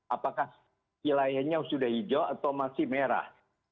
apakah wilayahnya sudah hijau atau masih merah